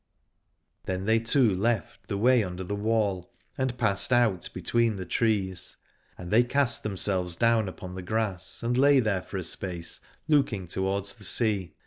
Then they two left the way under the wall, and passed out between the trees : and they cast themselves down upon the grass and lay there for a space looking towards the sea.